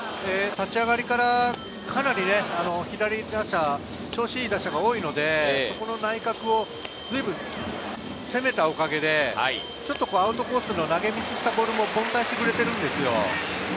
立ち上がりからかなり左打者、調子いい打者が多いので、内角をずいぶん攻めたおかげで、アウトコースの投げミスしたボールも凡退してくれたんですよ。